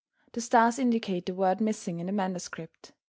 The stars indicate the words missing in the manuscript.